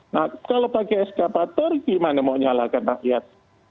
nah kalau pakai eskavator gimana mau nyalakan rakyat